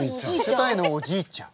世界のおじいちゃん？